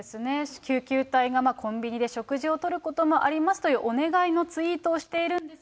救急隊がコンビニで食事をとることもありますというお願いのツイートをしているんですが、